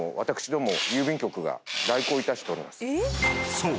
［そう。